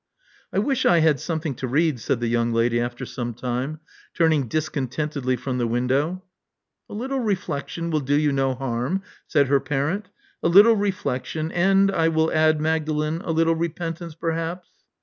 I wish I had something to read," said the young lady after some time, turning discontentedly from the window. A little reflexion will do you no harm," said her parent. '*A little reflexion, and, I will add, Mag dalen, a little repentance perhaps."